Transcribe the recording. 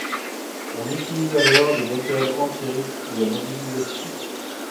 On utilise alors des méthodes empiriques ou la modélisation.